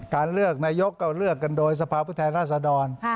เลือกนายกก็เลือกกันโดยสภาพุทธแทนราษดร